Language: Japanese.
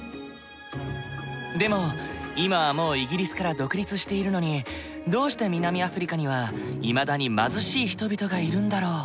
でも今はもうイギリスから独立しているのにどうして南アフリカにはいまだに貧しい人々がいるんだろう？